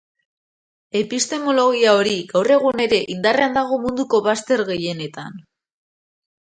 Epistemologia hori, gaur egun ere, indarrean dago munduko bazter gehienetan.